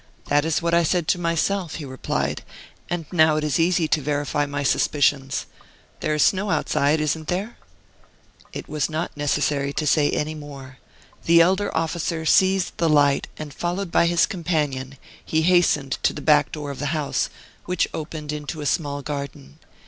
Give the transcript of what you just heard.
"That is what I said to myself," he replied, "and now it is easy to verify my suspicions. There is snow outside, isn't there?" It was not necessary to say any more. The elder officer seized the light, and followed by his companion, he hastened to the back door of the house, which opened into a small garden.